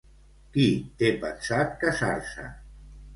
Qui té pensat casar-se?